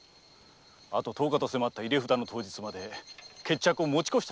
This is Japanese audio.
あと十日と迫った入れ札の当日まで決着を持ち越した模様にございます。